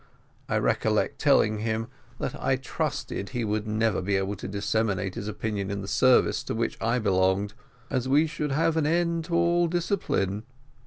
I recollect telling him that I trusted he would never be able to disseminate his opinions in the service to which I belonged, as we should have an end of all discipline.